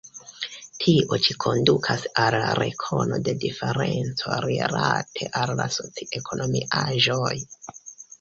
Tio ĉi kondukas al rekono de diferenco rilate al la soci-ekonomiaĵoj.